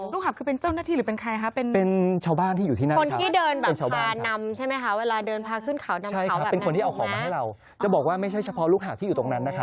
ลูกหาบน่ารักมากเลยลูกหาบคือเป็นเจ้าหน้าที่หรือเป็นใครคะ